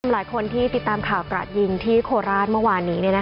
หลายคนที่ติดตามข่าวกระดยิงที่โคราชเมื่อวานนี้